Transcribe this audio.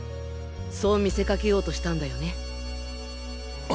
そう見せかけようとしたんだよね？